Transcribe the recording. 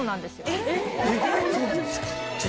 えっ！